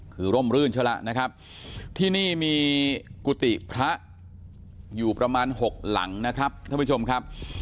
คือร่มรื่นซะแล้วนะครับที่นี่มีกุฏิพระอยู่ประมาณหกหลังนะครับท่านผู้ชมครับ